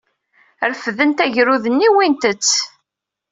Refdent agrud-nni, wwint-t.